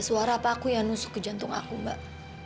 suara paku yang nusuk ke jantung aku mbak